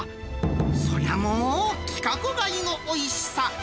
そりゃもう、規格外のおいしさ。